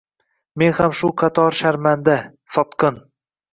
Men ham shu qator sharmanda, sotqin